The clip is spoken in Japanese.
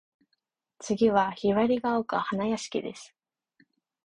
次は雲雀丘花屋敷（ひばりがおかはなやしき）です。